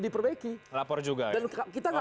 diperbaiki dan kita gak